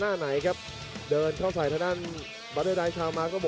สักค่อยเดินเข้ามาหมดยกที่สองครับ